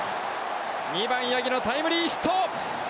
２番、八木のタイムリーヒット！